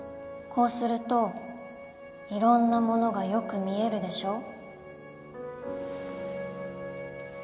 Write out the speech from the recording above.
こうするといろんなものがよく見えるでしょう。